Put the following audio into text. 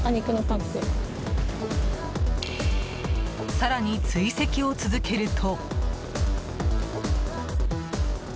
更に追跡を続けると。